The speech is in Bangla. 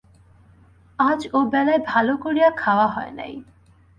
আজ ও বেলায় ভালো করিয়া খাওয়া হয় নাই।